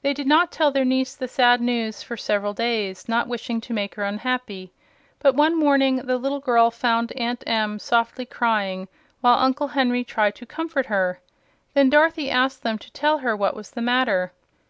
They did not tell their niece the sad news for several days, not wishing to make her unhappy; but one morning the little girl found Aunt Em softly crying while Uncle Henry tried to comfort her. Then Dorothy asked them to tell her what was the matter.